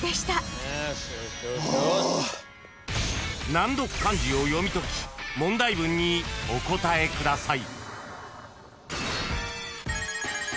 ［難読漢字を読み解き問題文にお答えください］